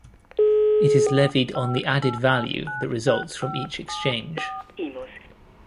It is levied on the added value that results from each exchange.